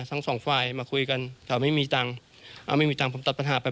ทั้งสองฝ่ายมาคุยกันแต่ไม่มีตังค์เอาไม่มีตังค์ผมตัดปัญหาไป